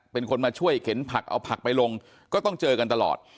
เป็นคนมาช่วยเข็นผักเอาผักไปลงก็ต้องเจอกันตลอด